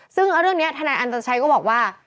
ซึ่งเรื่องนี้ทนายอันตชัยก็บอกว่า